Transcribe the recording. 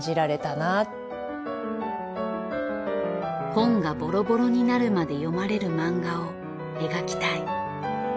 本がボロボロになるまで読まれる漫画を描きたい。